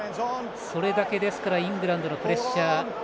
それだけイングランドのプレッシャー。